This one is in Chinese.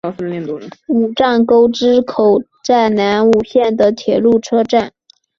武藏沟之口站南武线的铁路车站。